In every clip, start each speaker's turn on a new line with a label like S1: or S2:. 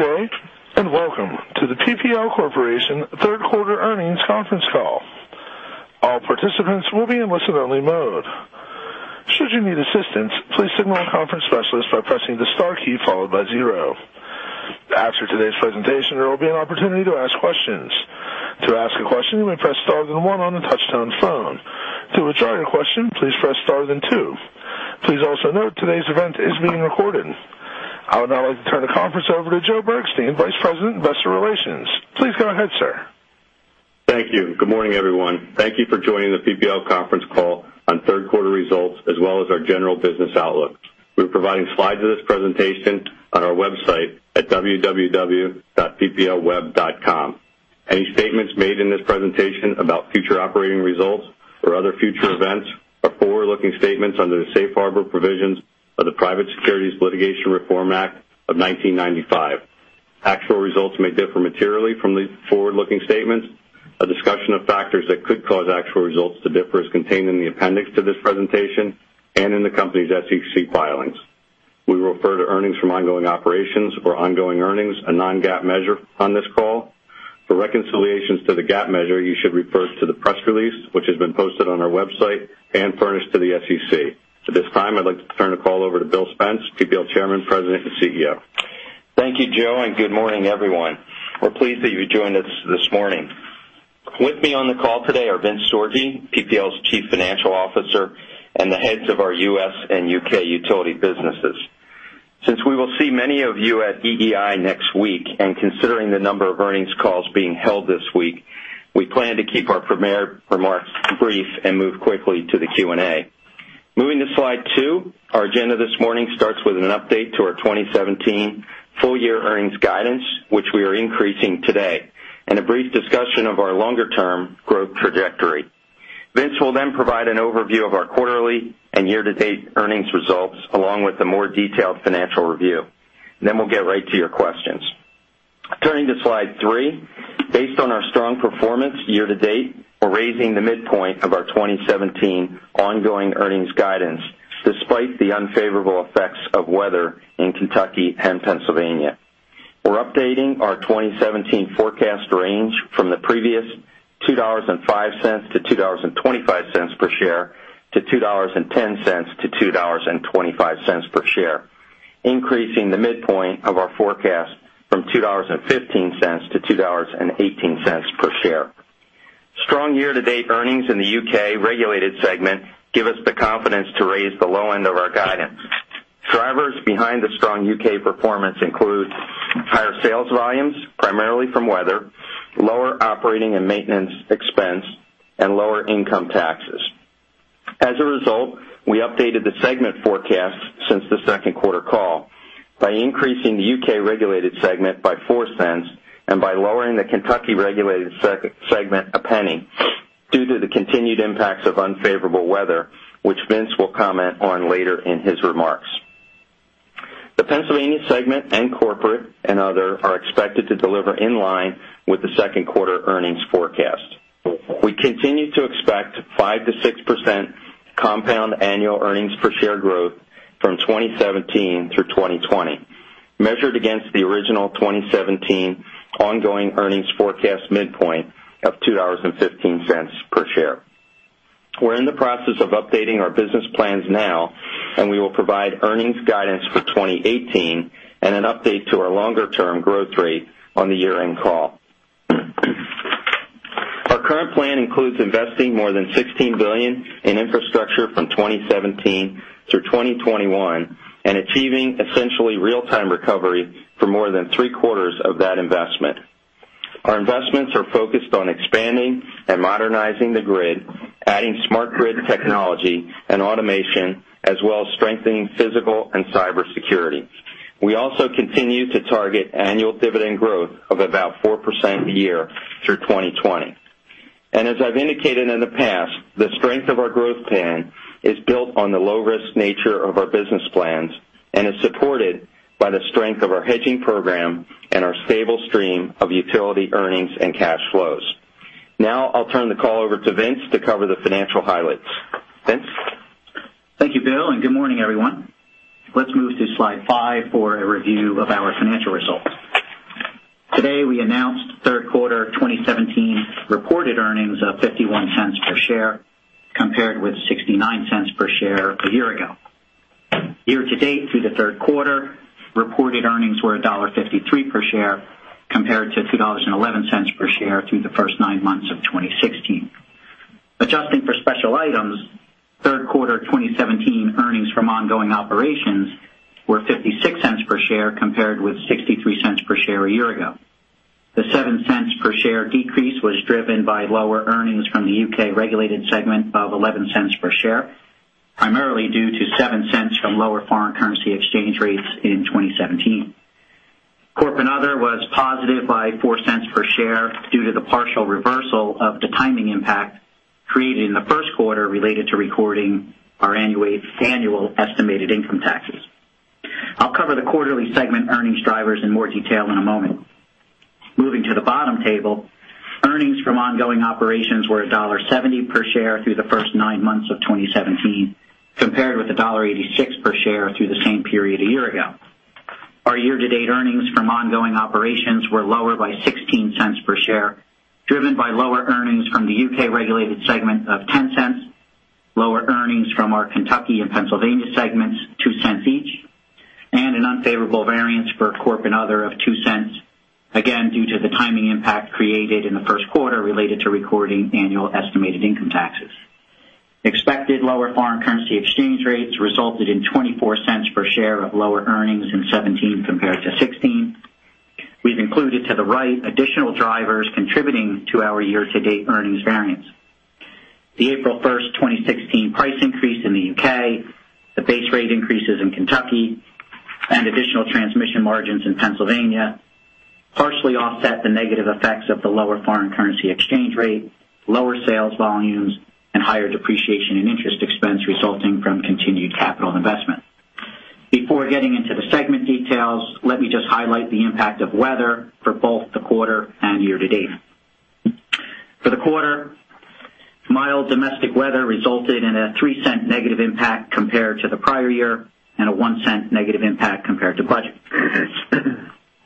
S1: Good day, welcome to the PPL Corporation third quarter earnings conference call. All participants will be in listen-only mode. Should you need assistance, please signal a conference specialist by pressing the star key followed by zero. After today's presentation, there will be an opportunity to ask questions. To ask a question, you may press star then one on the touch-tone phone. To withdraw your question, please press star then two. Please also note today's event is being recorded. I would now like to turn the conference over to Joe Bergstein, Vice President, Investor Relations. Please go ahead, sir.
S2: Thank you. Good morning, everyone. Thank you for joining the PPL conference call on third quarter results, as well as our general business outlook. We're providing slides of this presentation on our website at www.pplweb.com. Any statements made in this presentation about future operating results or other future events are forward-looking statements under the safe harbor provisions of the Private Securities Litigation Reform Act of 1995. Actual results may differ materially from these forward-looking statements. A discussion of factors that could cause actual results to differ is contained in the appendix to this presentation and in the company's SEC filings. We refer to earnings from ongoing operations or ongoing earnings, a non-GAAP measure, on this call. For reconciliations to the GAAP measure, you should refer to the press release, which has been posted on our website and furnished to the SEC. At this time, I'd like to turn the call over to Bill Spence, PPL Chairman, President, and CEO.
S3: Thank you, Joe, good morning, everyone. We're pleased that you joined us this morning. With me on the call today are Vince Sorgi, PPL's Chief Financial Officer, and the heads of our U.S. and U.K. utility businesses. Since we will see many of you at EEI next week, and considering the number of earnings calls being held this week, we plan to keep our prepared remarks brief and move quickly to the Q&A. Moving to slide two, our agenda this morning starts with an update to our 2017 full-year earnings guidance, which we are increasing today, and a brief discussion of our longer-term growth trajectory. Vince will provide an overview of our quarterly and year-to-date earnings results, along with a more detailed financial review. We'll get right to your questions. Turning to slide three. Based on our strong performance year-to-date, we're raising the midpoint of our 2017 ongoing earnings guidance, despite the unfavorable effects of weather in Kentucky and Pennsylvania. We're updating our 2017 forecast range from the previous $2.05-$2.25 per share to $2.10-$2.25 per share, increasing the midpoint of our forecast from $2.15-$2.18 per share. Strong year-to-date earnings in the U.K. regulated segment give us the confidence to raise the low end of our guidance. Drivers behind the strong U.K. performance include higher sales volumes, primarily from weather, lower operating and maintenance expense, and lower income taxes. As a result, we updated the segment forecast since the second quarter call by increasing the U.K. regulated segment by $0.04 and by lowering the Kentucky regulated segment $0.01 due to the continued impacts of unfavorable weather, which Vince will comment on later in his remarks. The Pennsylvania segment and corporate and other are expected to deliver in line with the second quarter earnings forecast. We continue to expect 5%-6% compound annual earnings-per-share growth from 2017 through 2020, measured against the original 2017 ongoing earnings forecast midpoint of $2.15 per share. We're in the process of updating our business plans now, we will provide earnings guidance for 2018 and an update to our longer-term growth rate on the year-end call. Our current plan includes investing more than $16 billion in infrastructure from 2017 through 2021 and achieving essentially real-time recovery for more than three-quarters of that investment. Our investments are focused on expanding and modernizing the grid, adding smart grid technology and automation, as well as strengthening physical and cyber security. We also continue to target annual dividend growth of about 4% a year through 2020. As I've indicated in the past, the strength of our growth plan is built on the low-risk nature of our business plans and is supported by the strength of our hedging program and our stable stream of utility earnings and cash flows. Now I'll turn the call over to Vince to cover the financial highlights. Vince?
S4: Thank you, Bill, and good morning, everyone. Let's move to slide five for a review of our financial results. Today, we announced third quarter 2017 reported earnings of $0.51 per share, compared with $0.69 per share a year ago. Year-to-date through the third quarter, reported earnings were $1.53 per share, compared to $2.11 per share through the first nine months of 2016. Adjusting for special items, third quarter 2017 earnings from ongoing operations were $0.56 per share, compared with $0.63 per share a year ago. The $0.07 per share decrease was driven by lower earnings from the U.K.-regulated segment of $0.11 per share, primarily due to $0.07 from lower foreign currency exchange rates in 2017. Corp and other was positive by $0.04 per share due to the partial reversal of the timing impact created in the first quarter related to recording our annual estimated income taxes. I'll cover the quarterly segment earnings drivers in more detail in a moment. Sum table. Earnings from ongoing operations were $1.70 per share through the first nine months of 2017, compared with $1.86 per share through the same period a year ago. Our year-to-date earnings from ongoing operations were lower by $0.16 per share, driven by lower earnings from the U.K.-regulated segment of $0.10, lower earnings from our Kentucky and Pennsylvania segments, $0.02 each, and an unfavorable variance for Corp and other of $0.02, again, due to the timing impact created in the first quarter related to recording annual estimated income taxes. Expected lower foreign currency exchange rates resulted in $0.24 per share of lower earnings in 2017 compared to 2016. We've included to the right additional drivers contributing to our year-to-date earnings variance. The April 1st, 2016 price increase in the U.K., the base rate increases in Kentucky, and additional transmission margins in Pennsylvania partially offset the negative effects of the lower foreign currency exchange rate, lower sales volumes, and higher depreciation in interest expense resulting from continued capital investment. Before getting into the segment details, let me just highlight the impact of weather for both the quarter and year-to-date. For the quarter, mild domestic weather resulted in a $0.03 negative impact compared to the prior year, and a $0.01 negative impact compared to budget.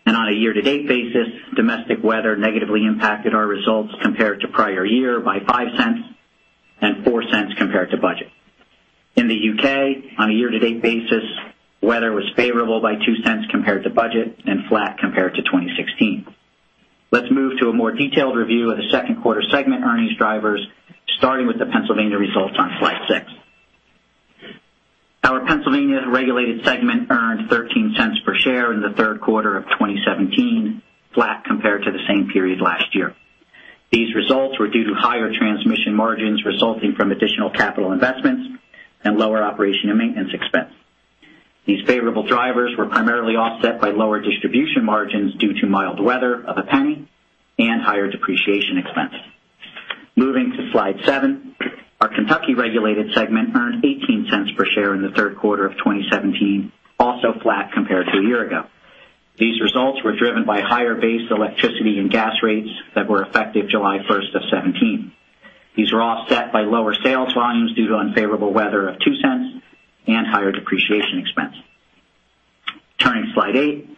S4: On a year-to-date basis, domestic weather negatively impacted our results compared to prior year by $0.05 and $0.04 compared to budget. In the U.K., on a year-to-date basis, weather was favorable by $0.02 compared to budget and flat compared to 2016. Let's move to a more detailed review of the second quarter segment earnings drivers, starting with the Pennsylvania results on slide six. Our Pennsylvania regulated segment earned $0.13 per share in the third quarter of 2017, flat compared to the same period last year. These results were due to higher transmission margins resulting from additional capital investments and lower operation and maintenance expense. These favorable drivers were primarily offset by lower distribution margins due to mild weather of $0.01 and higher depreciation expense. Moving to slide seven. Our Kentucky-regulated segment earned $0.18 per share in the third quarter of 2017, also flat compared to a year ago. These results were driven by higher base electricity and gas rates that were effective July 1st of 2017. These were offset by lower sales volumes due to unfavorable weather of $0.02 and higher depreciation expense. Turning to slide eight.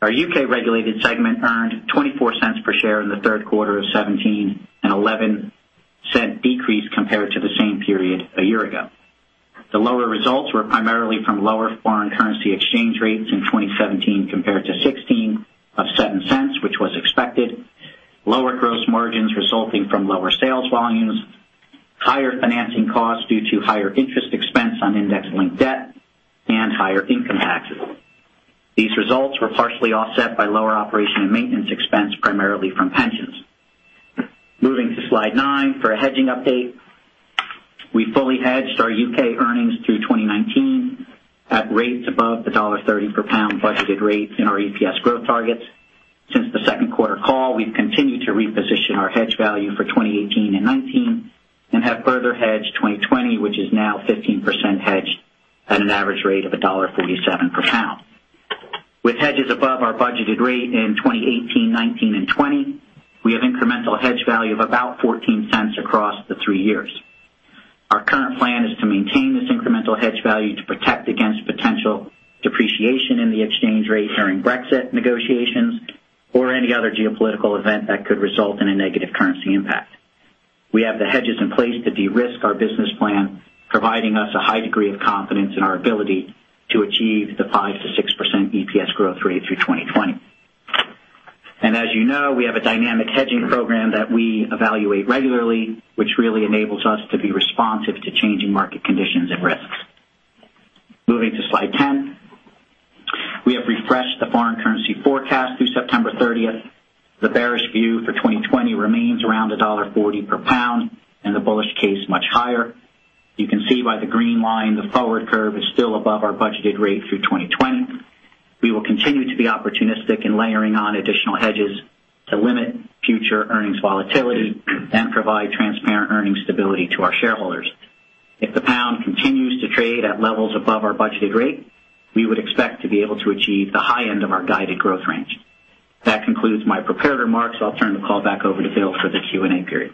S4: Our U.K.-regulated segment earned $0.24 per share in the third quarter of 2017, an $0.11 decrease compared to the same period a year ago. The lower results were primarily from lower foreign currency exchange rates in 2017 compared to 2016 of $0.07, which was expected, lower gross margins resulting from lower sales volumes, higher financing costs due to higher interest expense on index-linked debt, and higher income taxes. These results were partially offset by lower operation and maintenance expense, primarily from pensions. Moving to slide nine for a hedging update. We fully hedged our U.K. earnings through 2019 at rates above the $1.30 per pound budgeted rates in our EPS growth targets. Since the second quarter call, we've continued to reposition our hedge value for 2018 and 2019, and have further hedged 2020, which is now 15% hedged at an average rate of $1.47 per pound. With hedges above our budgeted rate in 2018, 2019, and 2020, we have incremental hedge value of about $0.14 across the three years. Our current plan is to maintain this incremental hedge value to protect against potential depreciation in the exchange rate during Brexit negotiations or any other geopolitical event that could result in a negative currency impact. We have the hedges in place to de-risk our business plan, providing us a high degree of confidence in our ability to achieve the 5%-6% EPS growth rate through 2020. As you know, we have a dynamic hedging program that we evaluate regularly, which really enables us to be responsive to changing market conditions and risks. Moving to slide 10. We have refreshed the foreign currency forecast through September 30th. The bearish view for 2020 remains around $1.40 per pound, and the bullish case much higher. You can see by the green line, the forward curve is still above our budgeted rate through 2020. We will continue to be opportunistic in layering on additional hedges to limit future earnings volatility and provide transparent earnings stability to our shareholders. If the pound continues to trade at levels above our budgeted rate, we would expect to be able to achieve the high end of our guided growth range. That concludes my prepared remarks. I'll turn the call back over to Bill for the Q&A period.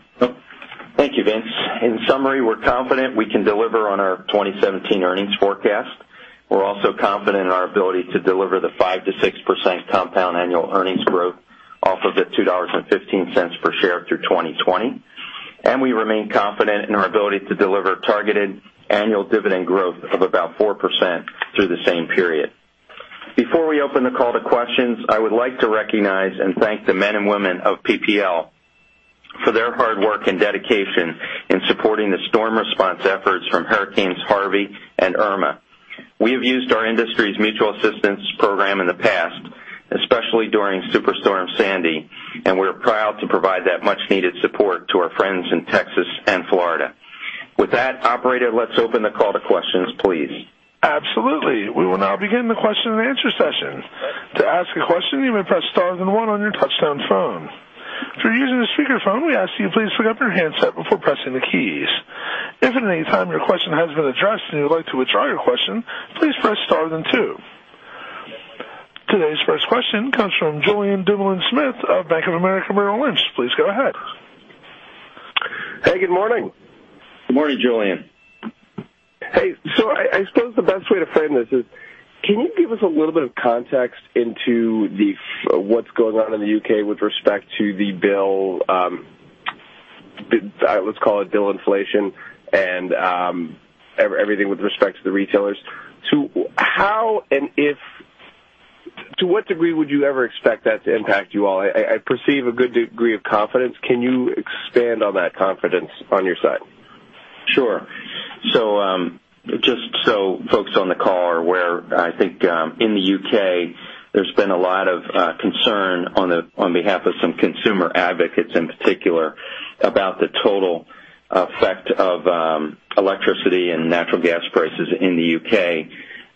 S3: Thank you, Vince. In summary, we're confident we can deliver on our 2017 earnings forecast. We're also confident in our ability to deliver the 5%-6% compound annual earnings growth off of the $2.15 per share through 2020. We remain confident in our ability to deliver targeted annual dividend growth of about 4% through the same period. Before we open the call to questions, I would like to recognize and thank the men and women of PPL for their hard work and dedication in supporting the storm response efforts from Hurricane Harvey and Hurricane Irma. We have used our industry's mutual assistance program in the past, especially during Superstorm Sandy, and we're proud to provide that much-needed support to our friends in Texas and Florida. With that, operator, let's open the call to questions, please.
S1: Absolutely. We will now begin the question and answer session. To ask a question, you may press star then one on your touchtone phone. If you're using a speakerphone, we ask that you please pick up your handset before pressing the keys. If at any time your question has been addressed and you would like to withdraw your question, please press star then two. Today's first question comes from Julien Dumoulin-Smith of Bank of America Merrill Lynch. Please go ahead.
S5: Hey, good morning.
S3: Good morning, Julien.
S5: Hey. I suppose the best way to frame this is, can you give us a little bit of context into what's going on in the U.K. with respect to the bill, let's call it bill inflation, and everything with respect to the retailers. To what degree would you ever expect that to impact you all? I perceive a good degree of confidence. Can you expand on that confidence on your side?
S3: Sure. Just so folks on the call are aware, I think, in the U.K., there's been a lot of concern on behalf of some consumer advocates in particular about the total effect of electricity and natural gas prices in the U.K.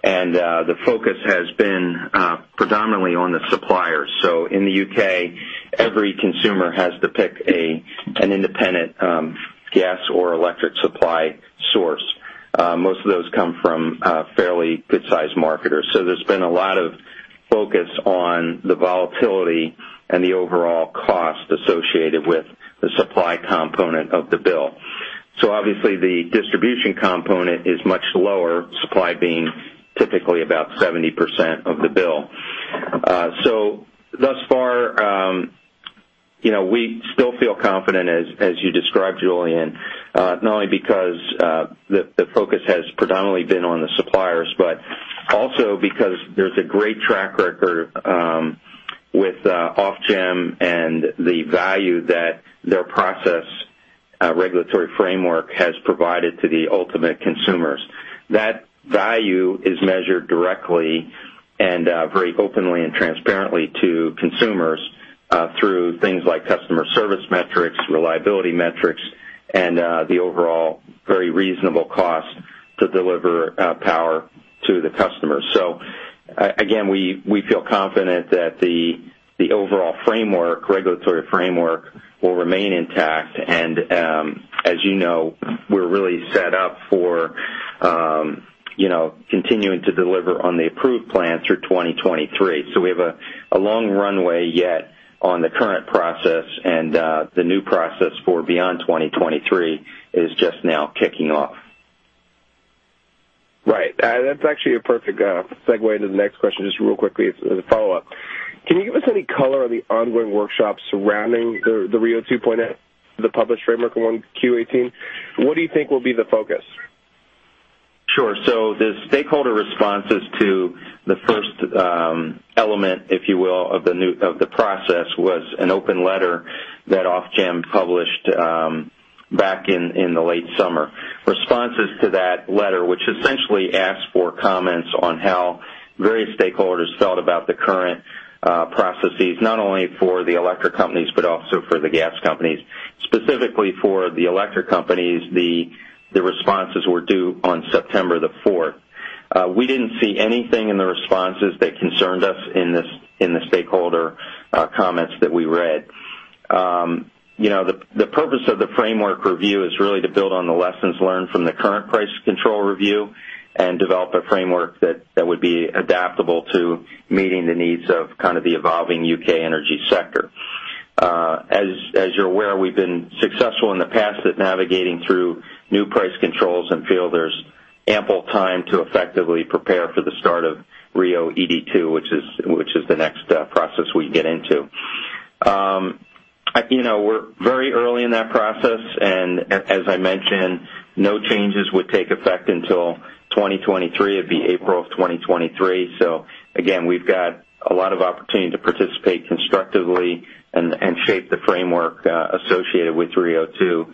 S3: The focus has been predominantly on the suppliers. In the U.K., every consumer has to pick an independent gas or electric supply source. Most of those come from fairly good-sized marketers. There's been a lot of focus on the volatility and the overall cost associated with the supply component of the bill. Obviously, the distribution component is much lower, supply being typically about 70% of the bill. Thus far, we still feel confident as you described, Julien, not only because the focus has predominantly been on the suppliers, but also because there's a great track record with Ofgem and the value that their process regulatory framework has provided to the ultimate consumers. That value is measured directly and very openly and transparently to consumers through things like customer service metrics, reliability metrics, and the overall very reasonable cost to deliver power to the customer. Again, we feel confident that the overall framework, regulatory framework will remain intact. As you know, we're really set up for continuing to deliver on the approved plan through 2023. We have a long runway yet on the current process and the new process for beyond 2023 is just now kicking off.
S5: Right. That's actually a perfect segue into the next question, just real quickly as a follow-up. Can you give us any color on the ongoing workshops surrounding the RIIO 2.0, the published framework among Q1 '18? What do you think will be the focus?
S3: Sure. The stakeholder responses to the first element, if you will, of the process was an open letter that Ofgem published back in the late summer. Responses to that letter, which essentially asked for comments on how various stakeholders felt about the current processes, not only for the electric companies, but also for the gas companies. Specifically for the electric companies, the responses were due on September the fourth. We didn't see anything in the responses that concerned us in the stakeholder comments that we read. The purpose of the framework review is really to build on the lessons learned from the current price control review and develop a framework that would be adaptable to meeting the needs of kind of the evolving U.K. energy sector. As you're aware, we've been successful in the past at navigating through new price controls and feel there's ample time to effectively prepare for the start of RIIO-ED2, which is the next process we get into. We're very early in that process, and as I mentioned, no changes would take effect until 2023. It'd be April of 2023. Again, we've got a lot of opportunity to participate constructively and shape the framework associated with RIIO-2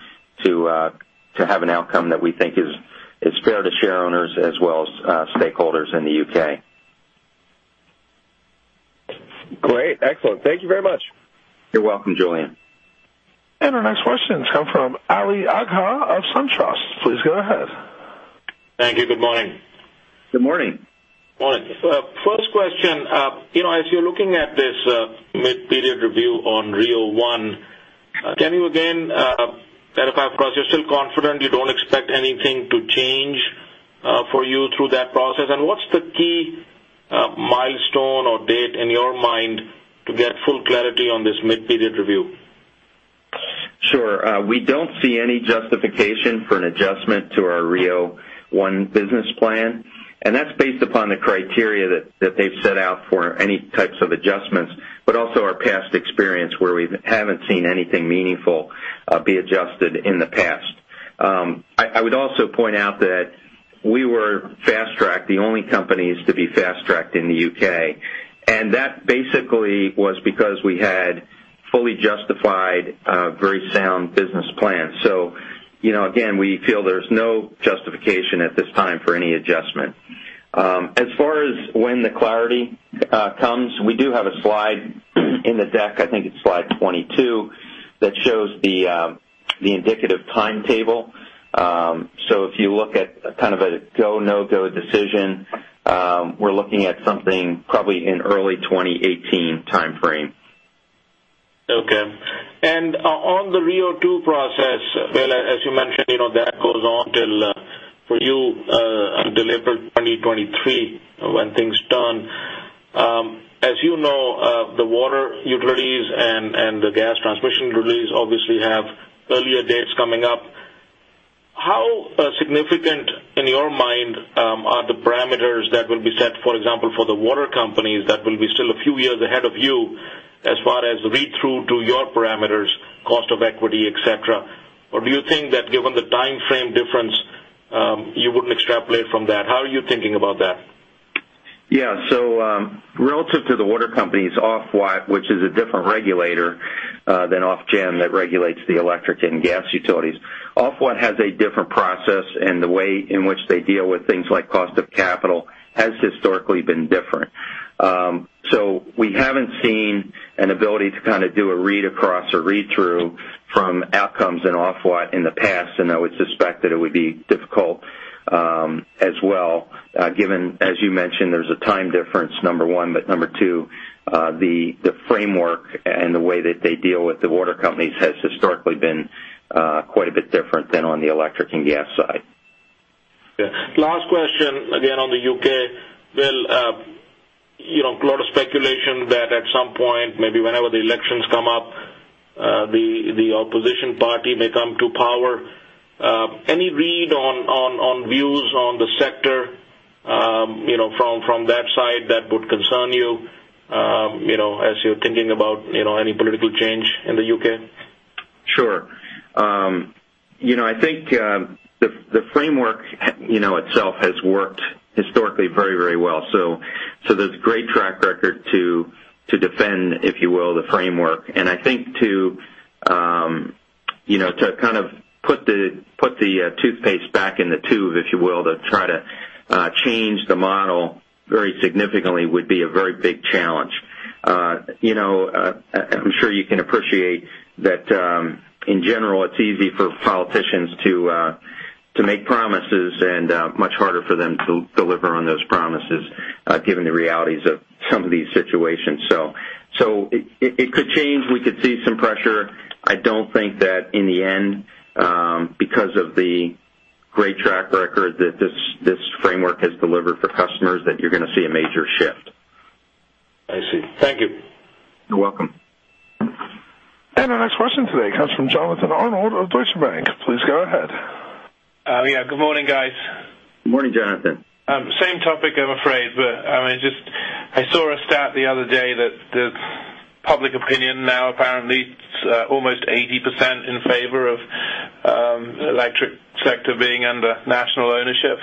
S3: to have an outcome that we think is fair to share owners as well as stakeholders in the U.K.
S5: Great. Excellent. Thank you very much.
S3: You're welcome, Julien.
S1: Our next question comes from Ali Agha of SunTrust. Please go ahead.
S6: Thank you. Good morning.
S3: Good morning.
S6: Morning. First question. As you're looking at this mid-period review on RIIO 1, can you again clarify, of course, you're still confident you don't expect anything to change for you through that process? What's the key milestone or date in your mind to get full clarity on this mid-period review?
S3: Sure. We don't see any justification for an adjustment to our RIIO 1 business plan, and that's based upon the criteria that they've set out for any types of adjustments, but also our past experience where we haven't seen anything meaningful be adjusted in the past. I would also point out that we were fast-tracked, the only companies to be fast-tracked in the U.K., and that basically was because we had fully justified a very sound business plan. Again, we feel there's no justification at this time for any adjustment. As far as when the clarity comes, we do have a slide in the deck, I think it's slide 22, that shows The indicative timetable. If you look at kind of a go, no-go decision, we're looking at something probably in early 2018 timeframe.
S6: On the RIIO-2 process, well, as you mentioned, that goes on till, for you, until April 2023 when things done. As you know, the water utilities and the gas transmission utilities obviously have earlier dates coming up. How significant in your mind are the parameters that will be set, for example, for the water companies that will be still a few years ahead of you as far as read-through to your parameters, cost of equity, et cetera? Do you think that given the timeframe difference, you wouldn't extrapolate from that? How are you thinking about that?
S3: Yeah. Relative to the water companies, Ofwat, which is a different regulator than Ofgem that regulates the electric and gas utilities. Ofwat has a different process, and the way in which they deal with things like cost of capital has historically been different. We haven't seen an ability to kind of do a read across or read through from outcomes in Ofwat in the past, and I would suspect that it would be difficult as well, given, as you mentioned, there's a time difference, number one, but number two, the framework and the way that they deal with the water companies has historically been quite a bit different than on the electric and gas side.
S6: Yeah. Last question, again, on the U.K. Well, a lot of speculation that at some point, maybe whenever the elections come up, the opposition party may come to power. Any read on views on the sector from that side that would concern you, as you're thinking about any political change in the U.K.?
S3: Sure. I think the framework itself has worked historically very well. There's a great track record to defend, if you will, the framework. I think to kind of put the toothpaste back in the tube, if you will, to try to change the model very significantly would be a very big challenge. I'm sure you can appreciate that in general, it's easy for politicians to make promises and much harder for them to deliver on those promises given the realities of some of these situations. It could change. We could see some pressure. I don't think that in the end, because of the great track record that this framework has delivered for customers, that you're going to see a major shift.
S6: I see. Thank you.
S3: You're welcome.
S1: Our next question today comes from Jonathan Arnold of Deutsche Bank. Please go ahead.
S7: Yeah, good morning, guys.
S3: Good morning, Jonathan.
S7: Same topic, I'm afraid. I saw a stat the other day that the public opinion now apparently is almost 80% in favor of electric sector being under national ownership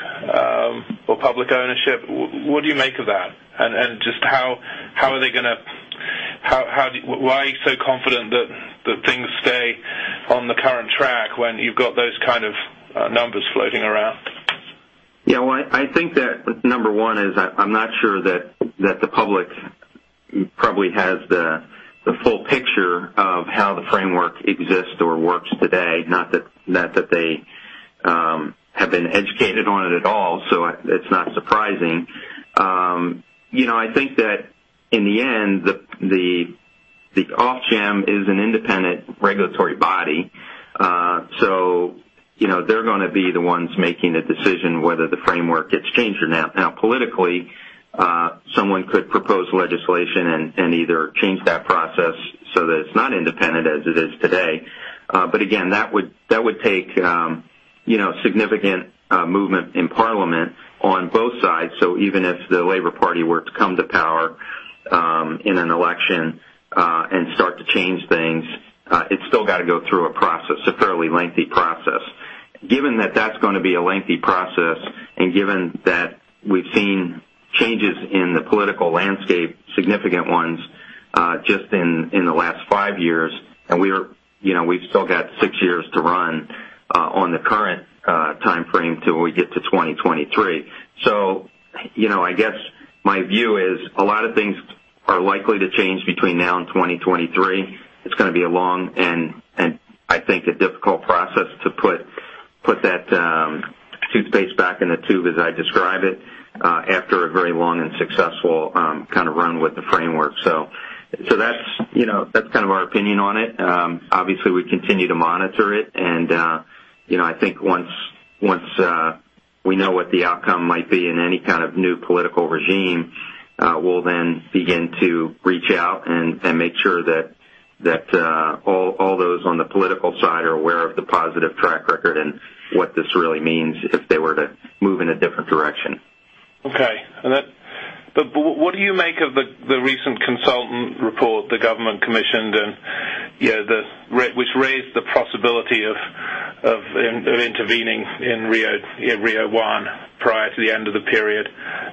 S7: or public ownership. What do you make of that? Just why are you so confident that things stay on the current track when you've got those kind of numbers floating around?
S3: Well, I think that number one is I'm not sure that the public probably has the full picture of how the framework exists or works today, not that they have been educated on it at all, so it's not surprising. I think that in the end, Ofgem is an independent regulatory body. They're going to be the ones making a decision whether the framework gets changed or not. Politically, someone could propose legislation and either change that process so that it's not independent as it is today. Again, that would take significant movement in Parliament on both sides. Even if the Labour Party were to come to power in an election and start to change things, it's still got to go through a process, a fairly lengthy process. Given that that's going to be a lengthy process, given that we've seen changes in the political landscape, significant ones, just in the last five years, we've still got six years to run on the current timeframe till we get to 2023. I guess my view is a lot of things are likely to change between now and 2023. It's going to be a long and I think a difficult process to put that toothpaste back in the tube, as I describe it, after a very long and successful kind of run with the framework. That's kind of our opinion on it. Obviously, we continue to monitor it, and I think once we know what the outcome might be in any kind of new political regime, we'll then begin to reach out and make sure that all those on the political side are aware of the positive track record and what this really means if they were to move in a different direction.
S7: Okay. What do you make of the recent consultant report the government commissioned, which raised the possibility of intervening in RIIO-1 prior to the end of the period,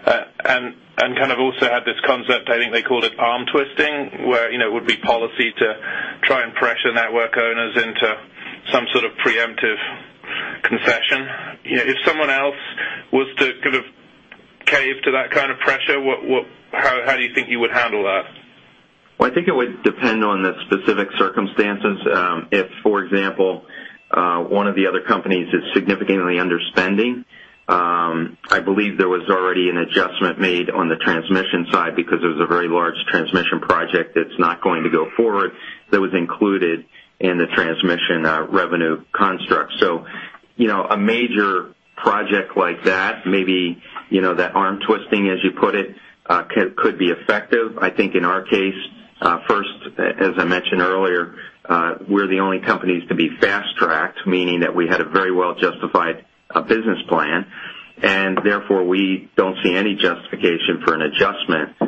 S7: and kind of also had this concept, I think they called it arm twisting, where it would be policy to try and pressure network owners into some sort of preemptive concession? If someone else was to that kind of pressure, how do you think you would handle that?
S3: Well, I think it would depend on the specific circumstances. If, for example, one of the other companies is significantly underspending. I believe there was already an adjustment made on the transmission side because there was a very large transmission project that's not going to go forward, that was included in the transmission revenue construct. A major project like that, maybe that arm twisting, as you put it, could be effective. I think in our case, first, as I mentioned earlier, we're the only company to be fast-tracked, meaning that we had a very well-justified business plan, and therefore we don't see any justification for an adjustment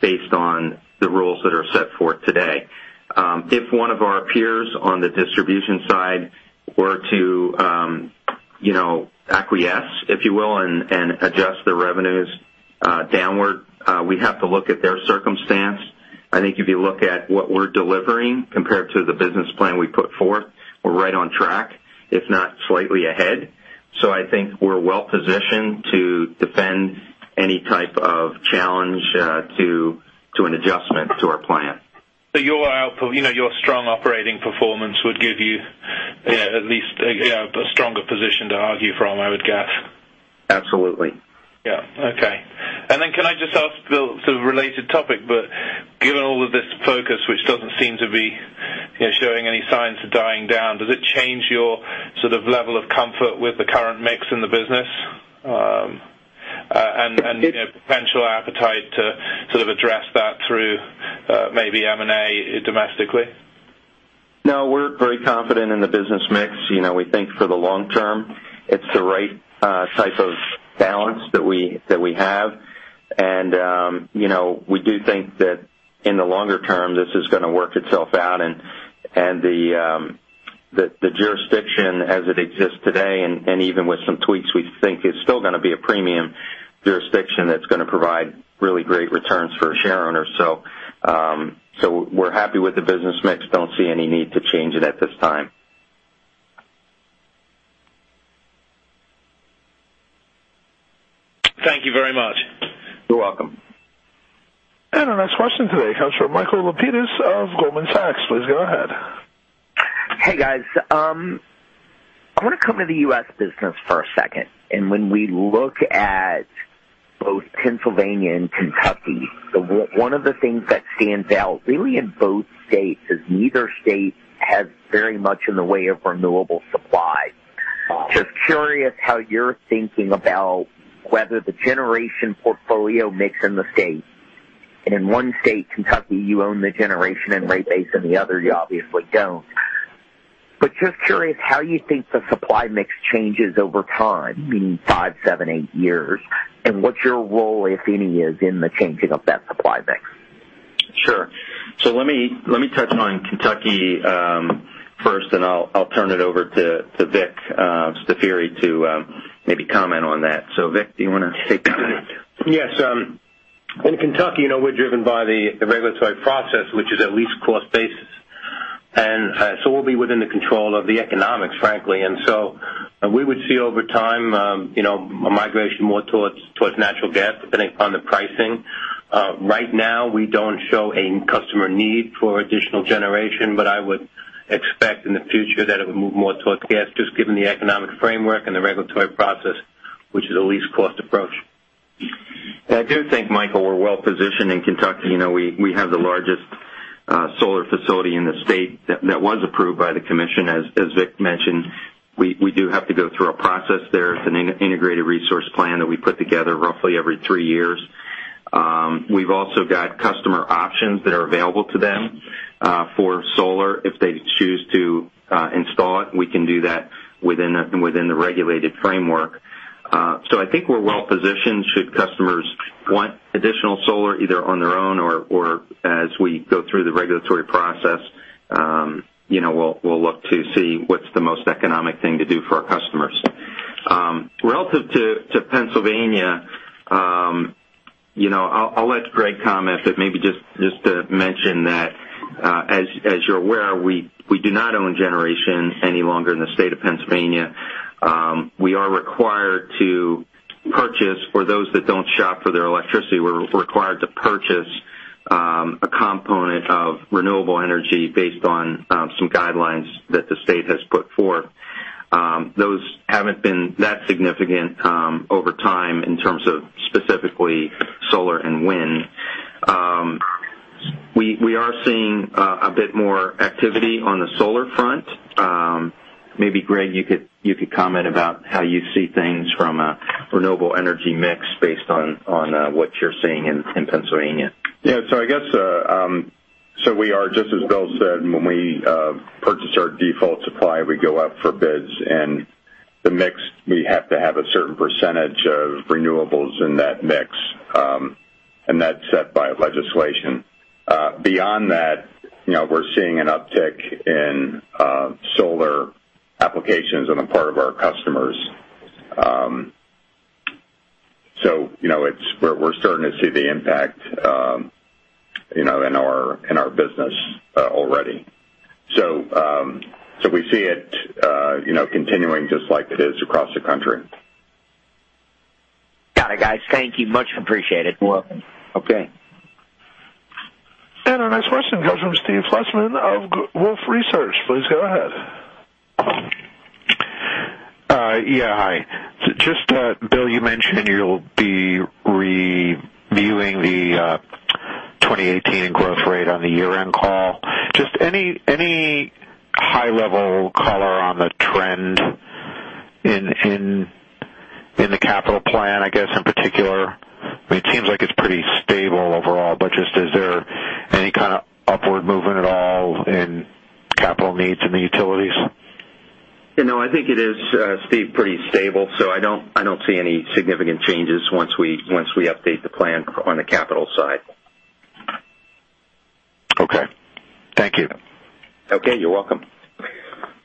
S3: based on the rules that are set forth today. If one of our peers on the distribution side were to acquiesce, if you will, and adjust their revenues downward, we'd have to look at their circumstance. I think if you look at what we're delivering compared to the business plan we put forth, we're right on track, if not slightly ahead. I think we're well-positioned to defend any type of challenge to an adjustment to our plan.
S7: Your strong operating performance would give you at least a stronger position to argue from, I would guess.
S3: Absolutely.
S7: Yeah. Okay. Can I just ask Bill, sort of related topic, but given all of this focus, which doesn't seem to be showing any signs of dying down, does it change your sort of level of comfort with the current mix in the business? Potential appetite to sort of address that through maybe M&A domestically?
S3: No, we're very confident in the business mix. We think for the long term, it's the right type of balance that we have. We do think that in the longer term, this is going to work itself out and the jurisdiction as it exists today, and even with some tweaks, we think is still going to be a premium jurisdiction that's going to provide really great returns for shareowners. We're happy with the business mix. Don't see any need to change it at this time.
S7: Thank you very much.
S3: You're welcome.
S1: Our next question today comes from Michael Lapides of Goldman Sachs. Please go ahead.
S8: Hey, guys. I want to come to the U.S. business for a second. When we look at both Pennsylvania and Kentucky, one of the things that stands out really in both states is neither state has very much in the way of renewable supply. Just curious how you're thinking about whether the generation portfolio mix in the states. In one state, Kentucky, you own the generation and rate base, in the other, you obviously don't. Just curious how you think the supply mix changes over time, meaning five, seven, eight years, and what your role, if any, is in the changing of that supply mix.
S3: Sure. Let me touch on Kentucky first, and I'll turn it over to Victor Staffieri to maybe comment on that. Vic, do you want to take that?
S9: Yes. In Kentucky, we're driven by the regulatory process, which is a least cost basis. So we'll be within the control of the economics, frankly. So we would see over time a migration more towards natural gas, depending upon the pricing. Right now, we don't show a customer need for additional generation, but I would expect in the future that it would move more towards gas, just given the economic framework and the regulatory process, which is a least cost approach.
S3: I do think, Michael, we're well-positioned in Kentucky. We have the largest solar facility in the state that was approved by the commission. As Vic mentioned, we do have to go through a process there. It's an integrated resource plan that we put together roughly every three years. We've also got customer options that are available to them for solar. If they choose to install it, we can do that within the regulated framework. I think we're well-positioned should customers want additional solar, either on their own or as we go through the regulatory process. We'll look to see what's the most economic thing to do for our customers. Relative to Pennsylvania, I'll let Greg comment, but maybe just to mention that, as you're aware, we do not own generation any longer in the state of Pennsylvania. We are required to purchase for those that don't shop for their electricity. We're required to purchase a component of renewable energy based on some guidelines that the state has put forth. Those haven't been that significant over time in terms of specifically solar and wind. We are seeing a bit more activity on the solar front. Maybe Greg, you could comment about how you see things from a renewable energy mix based on what you're seeing in Pennsylvania.
S10: Yeah. I guess, we are, just as Bill said, when we purchase our default supply, we go out for bids. The mix, we have to have a certain percentage of renewables in that mix, and that's set by legislation. Beyond that, we're seeing an uptick in solar applications on the part of our customers. We're starting to see the impact in our business already. We see it continuing just like it is across the country.
S8: Got it, guys. Thank you much. Appreciate it.
S3: You're welcome.
S10: Okay.
S1: Our next question comes from Steve Fleishman of Wolfe Research. Please go ahead.
S11: Yeah. Hi. Just Bill, you mentioned you'll be reviewing the 2018 growth rate on the year-end call. Just any high-level color on the trend in the capital plan, I guess, in particular? I mean, it seems like it's pretty stable overall, but just is there any kind of upward movement at all in capital needs in the utilities?
S3: No, I think it is, Steve, pretty stable, so I don't see any significant changes once we update the plan on the capital side.
S11: Okay. Thank you.
S3: Okay. You're welcome.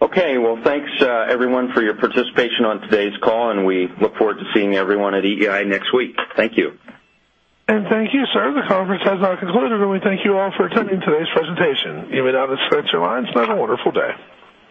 S3: Okay. Well, thanks, everyone, for your participation on today's call, and we look forward to seeing everyone at EEI next week. Thank you.
S1: Thank you, sir. The conference has now concluded, and we thank you all for attending today's presentation. You may now disconnect your lines. Have a wonderful day.